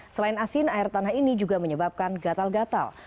selain asin air tanah ini juga menyebabkan gatal gatal